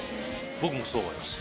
僕もそう思います。